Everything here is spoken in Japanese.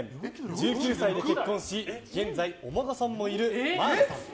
１９歳で結婚し現在お孫さんもいるまーなさん。